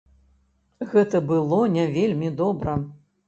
Гэта было не вельмі добра.